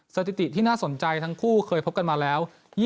สถิติที่น่าสนใจทั้งคู่เคยพบกันมาแล้ว